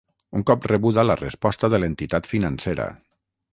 Un cop rebuda la resposta de l'entitat financera.